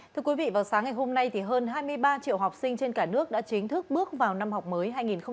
thưa quý vị vào sáng ngày hôm nay thì hơn hai mươi ba triệu học sinh trên cả nước đã chính thức bước vào năm học mới hai nghìn hai mươi hai nghìn hai mươi